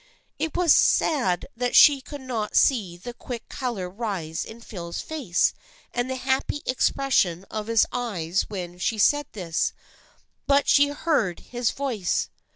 It was sad that she could not see the quick color rise in Phil's face and the happy expression of his eyes when she said this. But she heard his voice.